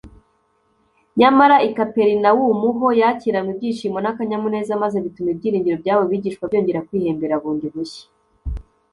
nyamara i kaperinawumu ho yakiranywe ibyishimo n’akanyamuneza maze bituma ibyiringiro by’abo bigishwa byongera kwihembera bundi bushya